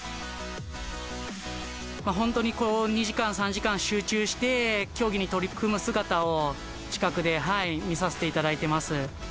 本当に２時間、３時間集中して、競技に取り組む姿を近くで見させていただいてます。